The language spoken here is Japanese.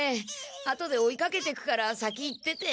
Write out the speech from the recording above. あとで追いかけてくから先行ってて。